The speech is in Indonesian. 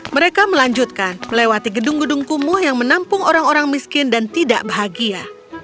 mereka melanjutkan melewati gedung gedung kumuh yang menampung orang orang miskin dan tidak bahagia